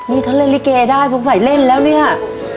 นี่เขาเล่นลิเกได้สงสัยเล่นแล้วเนี่ย